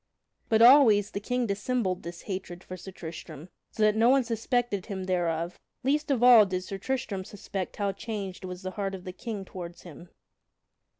But always the King dissembled this hatred for Sir Tristram, so that no one suspected him thereof; least of all did Sir Tristram suspect how changed was the heart of the King toward him.